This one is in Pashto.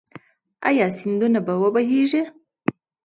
آیا سیندونه به و بهیږي؟